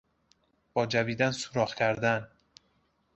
با جویدن سوراخ کردن